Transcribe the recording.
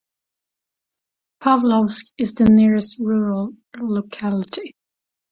Pavlovsk is the nearest rural locality.